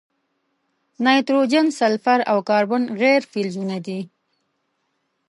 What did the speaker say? نایتروجن، سلفر، او کاربن غیر فلزونه دي.